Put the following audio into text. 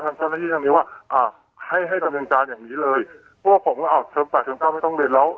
ทางเจ้าหน้าที่ตรงนี้ว่าอ่าให้ให้ตำแหน่งจานอย่างนี้เลยพวกผมอ่าวเทอม๘เทอม๙ไม่ต้องเรียนแล้ว